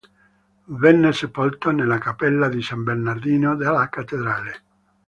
Venne sepolto nella cappella di San Bernardino della cattedrale.